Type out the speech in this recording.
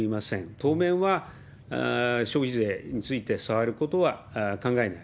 当面は消費税について触ることは考えない。